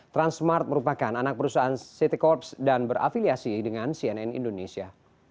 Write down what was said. transmart merupakan anak perusahaan ct corps dan berafiliasi dengan cnn indonesia